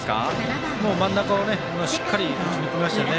もう、真ん中をしっかり打ちにいきましたね。